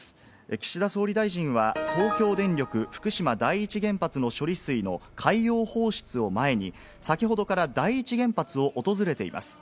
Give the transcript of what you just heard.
岸田総理大臣は東京電力・福島第一原発の処理水の海洋放出を前に、先ほどから第一原発を訪れています。